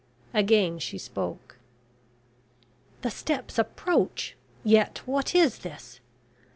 Again she spoke. "The steps approach yet what is this?